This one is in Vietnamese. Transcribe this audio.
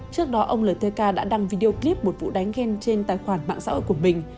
trước đó ông ltk đã đăng video clip một vụ đánh ghen trên tài khoản mạng xã hội của mình